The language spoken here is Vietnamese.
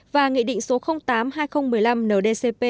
và nghị định số tám hai nghìn một mươi năm ndcp